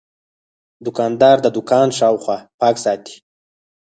دوکاندار د دوکان شاوخوا پاک ساتي.